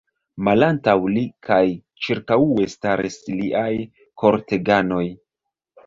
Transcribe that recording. Malantaŭ li kaj ĉirkaŭe staris liaj korteganoj.